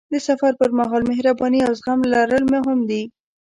د سفر پر مهال مهرباني او زغم لرل مهم دي.